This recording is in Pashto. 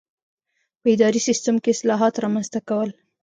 په اداري سیسټم کې اصلاحات رامنځته کول.